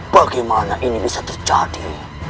bagaimana ini bisa terjadi